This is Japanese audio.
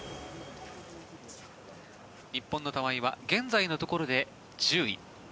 日本の玉井は現在のところで１０位。